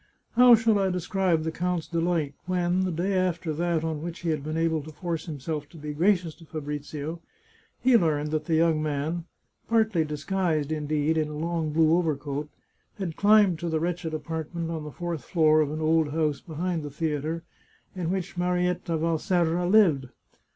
How shall I describe the count's delight when, the day after that on which he had been able to force himself to be gracious to Fabrizio, he learned that the young man — partly disguised, indeed, in a long blue over coat— had climbed to the wretched apartment on the fourth floor of an old house behind the theatre, in which Marietta Valserra lived.